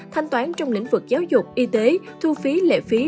thanh toán trong lĩnh vực giáo dục y tế thu phí lệ phí